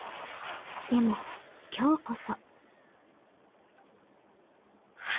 でも今日こそああ。